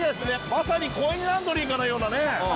まさにコインランドリーかのようなね。